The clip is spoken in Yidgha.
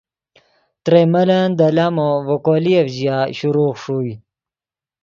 ترئے ملن دے لامو ڤے کولییف ژیا شروع ݰوئے۔